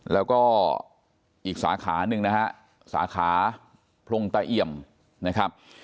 แล้วก็อีกสาขาหนึ่งนะฮะสาขาพรงตะเอี่ยมนะครับ